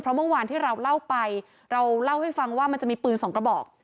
เพราะเมื่อวานที่เราเล่าไปเราเล่าให้ฟังว่ามันจะมีปืนสองกระบอก